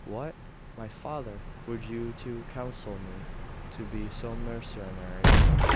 'What! my father! Would you, too, counsel me to be so mercenary?